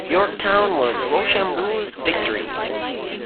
Yorktown was Rochambeau's victory.